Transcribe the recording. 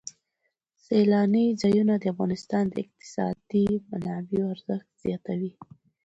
سیلانی ځایونه د افغانستان د اقتصادي منابعو ارزښت زیاتوي.